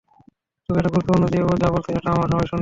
তবে এটা গুরুত্বপূর্ণ যে ও যা বলেছে সেটা আমরা সবাই শুনি।